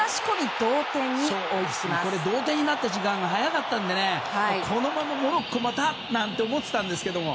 同点になった時間が早かったのでこのままモロッコ、また？と思ったんですけどね。